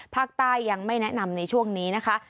ภาคใต้ยังไม่แนะนำในช่วงนี้นะคะ